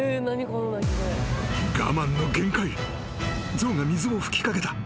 ［象が水を吹き掛けた］